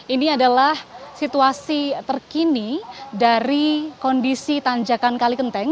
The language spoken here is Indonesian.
ini adalah situasi terkini dari kondisi tanjakan kalikenteng